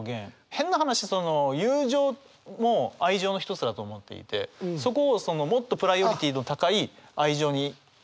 変な話友情も愛情の一つだと思っていてそこをもっとプライオリティーの高い愛情にさらわれたっていう